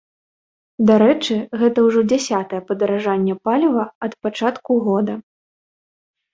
Дарэчы, гэта ўжо дзясятае падаражанне паліва ад пачатку года.